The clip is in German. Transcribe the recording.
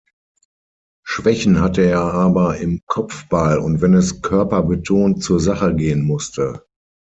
Schwächen hatte er aber im Kopfball und wenn es körperbetont zur Sache gehen musste.